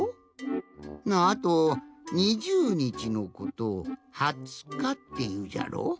あと「にじゅうにち」のことを「二十日」っていうじゃろ。